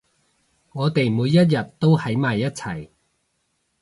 我哋每一日都喺埋一齊